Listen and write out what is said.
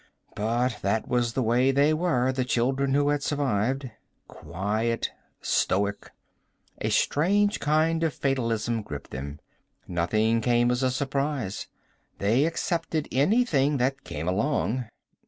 But that was the way they were, the children who had survived. Quiet. Stoic. A strange kind of fatalism gripped them. Nothing came as a surprise. They accepted anything that came along.